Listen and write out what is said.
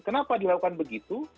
kenapa dilakukan begitu